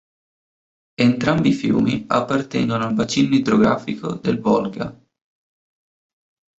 Entrambi i fiumi appartengono al bacino idrografico del Volga.